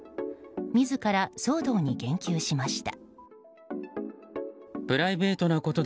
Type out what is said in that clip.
自ら騒動に言及しました。